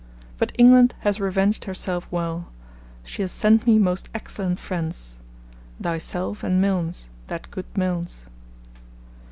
But England has revenged herself well; she has sent me most excellent friends thyself and Milnes, that good Milnes.'